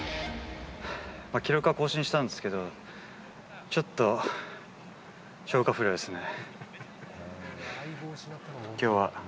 記録は更新したんですけど、ちょっと消化不良ですね。